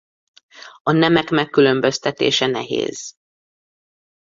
A nemek megkülönböztetése nehéz.